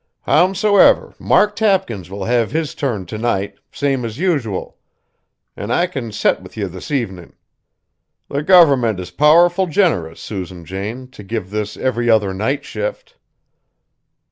Howsomever, Mark Tapkins will have his turn to night, same as usual; an' I can set with ye this evenin'. The government is powerful generous, Susan Jane, t' give this every other night shift."